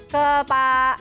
ke pak jarod dulu ya